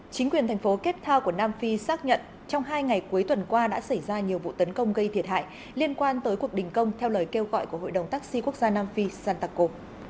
chính quyền thành phố cape town của nam phi xác nhận trong hai ngày cuối tuần qua đã xảy ra nhiều vụ tấn công gây thiệt hại liên quan tới cuộc đình công theo lời kêu gọi của hội đồng taxi quốc gia nam phi santaco